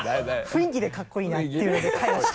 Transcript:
雰囲気でかっこいいなっていうので買いました。